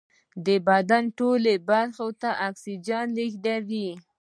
د بدن ټولو برخو ته اکسیجن لېږدوي